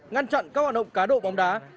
ngăn chặn các hoạt động cá đậu bóng đá